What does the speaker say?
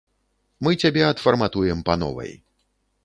Мы цябе адфарматуем па новай.